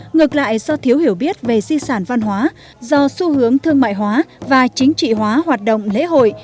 ngược lại do thiếu hiểu biết về di sản văn hóa do xu hướng thương mại hóa và chính trị hóa hoạt động lễ hội